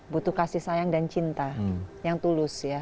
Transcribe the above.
butuh kasih sayang dan cinta yang tulus ya